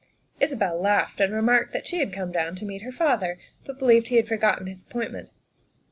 '' Isabel laughed and remarked that she had come down to meet her father, but believed he had forgotten his appointment.